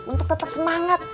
untuk tetap sempurna